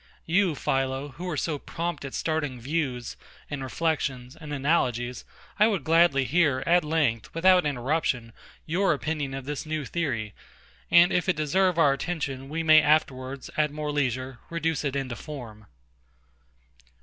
You, PHILO, who are so prompt at starting views, and reflections, and analogies, I would gladly hear, at length, without interruption, your opinion of this new theory; and if it deserve our attention, we may afterwards, at more leisure, reduce it into form.